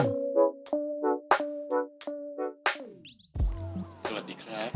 สวัสดีครับ